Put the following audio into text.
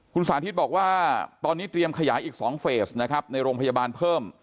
คุณสาธิตบอกว่าตอนนี้เตรียมขยายอีก๒เฟสนะครับในโรงพยาบาลเพิ่ม